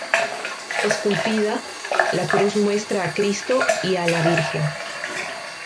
Esculpida, la cruz muestra a Cristo y a la Virgen.